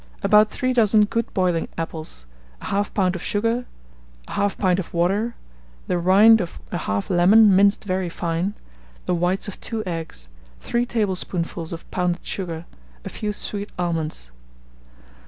About 3 dozen good boiling apples, 1/2 lb. of sugar, 1/2 pint of water, the rind of 1/2 lemon minced very fine, the whites of 2 eggs, 3 tablespoonfuls of pounded sugar, a few sweet almonds.